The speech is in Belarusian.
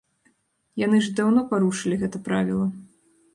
Яны ж даўно парушылі гэта правіла.